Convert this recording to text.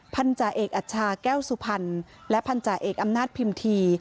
พันธาเอกอัชชาแก้วสุพรรณและพันธาเอกอำนาจพิมพี